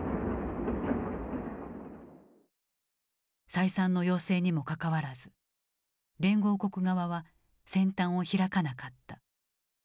再三の要請にもかかわらず連合国側は戦端を開かなかった。